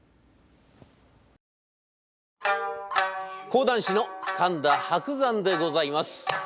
講談師の神田伯山でございます。